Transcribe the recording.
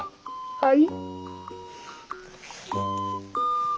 はい。